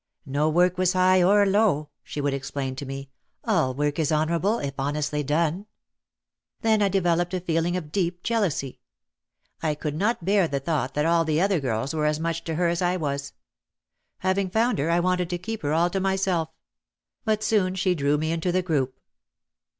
"No work was high or low," she would explain to me ; "all work is honourable if honestly done." Then I developed a feeling of deep jealousy. I could not bear the thought that all the other girls were as much to her as I was. Having found her I wanted to keep her all to myself. But soon she drew me into the group.